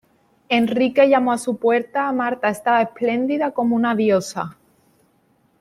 Enrique llamo a su puerta Marta estaba esplendida como una diosa